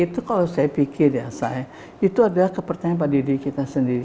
itu kalau saya pikir ya itu adalah kepertimbangan diri kita sendiri